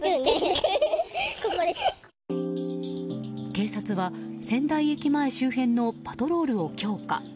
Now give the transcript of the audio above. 警察は仙台駅前周辺のパトロールを強化。